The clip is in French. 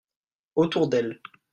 Autour d'elle.